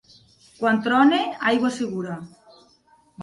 Quan trona, aigua segura.